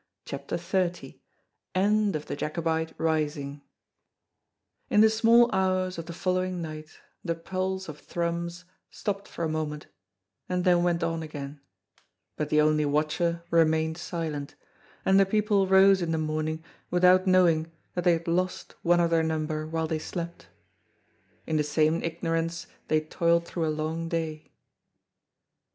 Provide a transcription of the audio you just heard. CHAPTER XXX END OF THE JACOBITE RISING In the small hours of the following night the pulse of Thrums stopped for a moment, and then went on again, but the only watcher remained silent, and the people rose in the morning without knowing that they had lost one of their number while they slept. In the same ignorance they toiled through a long day.